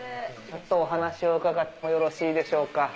ちょっとお話を伺ってもよろしいでしょうか？